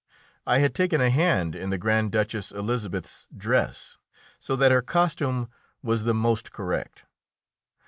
I had taken a hand in the Grand Duchess Elisabeth's dress, so that her costume was the most correct.